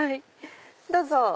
どうぞ。